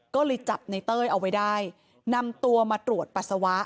ก็เลยจับในเต้ยเอาไว้ได้นำตัวมาตรวจปัสสาวะ